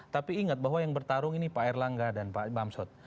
tapi ingat bahwa yang bertarung ini pak erlangga dan pak bamsud